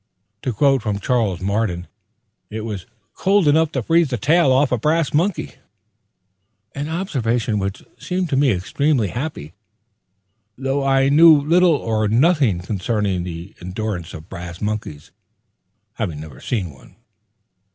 To quote from Charley Marden, it was "cold enough to freeze the tail off a brass monkey," an observation which seemed to me extremely happy, though I knew little or nothing concerning the endurance of brass monkeys, having never seen one.